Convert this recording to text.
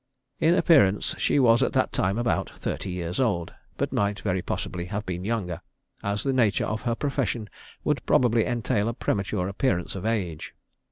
In appearance she was at that time about thirty years old, but might very possibly have been younger, as the nature of her profession would probably entail a premature appearance of age.